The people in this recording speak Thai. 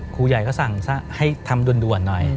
ครูใหญ่ก็สั่งซะให้ทำด่วนหน่อย